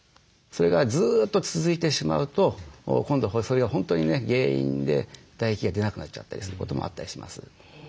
それがずっと続いてしまうと今度それが本当にね原因で唾液が出なくなっちゃったりすることもあったりします。